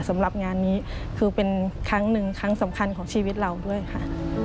สำหรับงานนี้คือเป็นครั้งหนึ่งครั้งสำคัญของชีวิตเราด้วยค่ะ